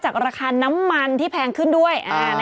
ราคาน้ำมันที่แพงขึ้นด้วย